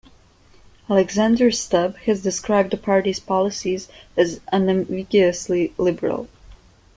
Alexander Stubb has described the party's policies as "unambiguously liberal".